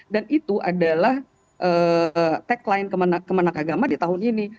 dan itu adalah tagline kemenang agama di tahun ini